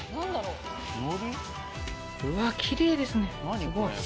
うわきれいですね。